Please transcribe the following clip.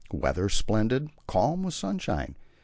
Weather splendid calm with sunshine.